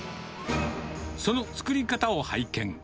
その作り方を拝見。